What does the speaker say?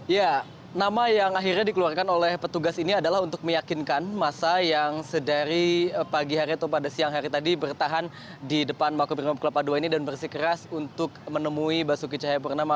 ya nama yang akhirnya dikeluarkan oleh petugas ini adalah untuk meyakinkan masa yang sedari pagi hari atau pada siang hari tadi bertahan di depan makobrimob kelapa ii ini dan bersikeras untuk menemui basuki cahayapurnama